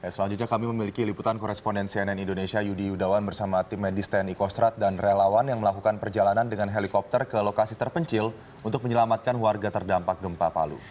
selanjutnya kami memiliki liputan koresponden cnn indonesia yudi yudawan bersama tim medis tni kostrat dan relawan yang melakukan perjalanan dengan helikopter ke lokasi terpencil untuk menyelamatkan warga terdampak gempa palu